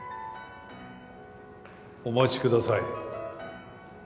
お待ちください。